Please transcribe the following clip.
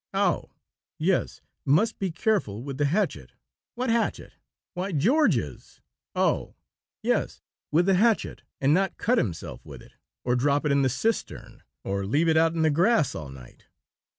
"Oh!" "Yes; must be careful with the hatchet " "What hatchet?" "Why, George's." "Oh!" "Yes; with the hatchet, and not cut himself with it, or drop it in the cistern, or leave it out in the grass all night.